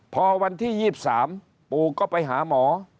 พอวันที่๒๓ปู่ก็ไปหาหมอ